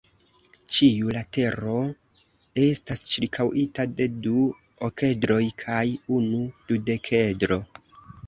Ĉiu latero estas ĉirkaŭita de du okedroj kaj unu dudekedro.